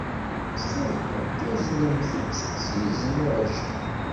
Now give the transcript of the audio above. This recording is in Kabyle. Ttxil-went, aznem-tt s yizen uɛjil.